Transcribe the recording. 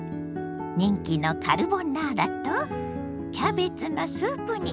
人気のカルボナーラとキャベツのスープ煮。